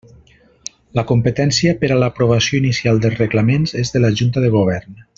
La competència per a l'aprovació inicial dels reglaments és de la Junta de Govern.